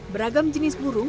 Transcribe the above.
beragam jenis burung